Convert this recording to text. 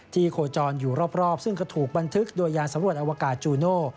โคจรอยู่รอบซึ่งก็ถูกบันทึกโดยยานสำรวจอวกาศจูโน่